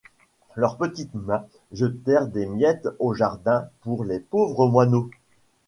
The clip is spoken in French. Leurs petites mains jetèrent des miettes au jardinpour les pauvres moineaux.